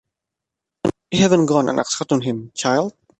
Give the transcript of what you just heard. You haven't gone and accepted him, child?